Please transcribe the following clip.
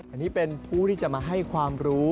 อันนี้เป็นผู้ที่จะมาให้ความรู้